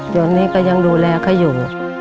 ตอนนี้ก็ยังดูแลเขาอยู่